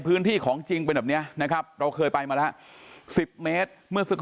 พื้นที่ของจริงเป็นแบบนี้นะครับเราเคยไปมาแล้ว๑๐เมตรเมื่อสักครู่